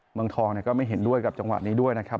เมืองทองก็ไม่เห็นด้วยกับจังหวะนี้ด้วยนะครับ